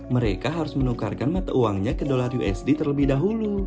mereka harus menukarkan mata uangnya ke dolar usd terlebih dahulu